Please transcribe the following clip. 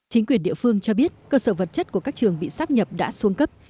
chính quyền địa phương cho biết cơ sở vật chất của các trường bị sắp nhập đã xuống cấp